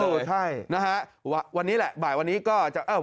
เออใช่นะฮะวันนี้แหละบ่ายวันนี้ก็จะเออ